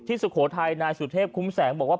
สุโขทัยนายสุเทพคุ้มแสงบอกว่า